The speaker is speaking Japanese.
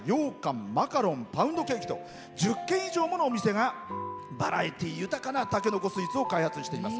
マカロン、パウンドケーキと１０軒以上ものお店がバラエティー豊かにたけのこスイーツを開発しています。